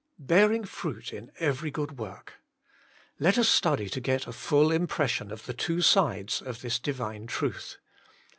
'Bearing fruit in every good ivorkf Let us study to get a full impression of the two sides of this Divine truth.